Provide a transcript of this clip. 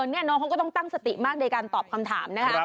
นี่น้องเขาก็ต้องตั้งสติมากในการตอบคำถามนะคะ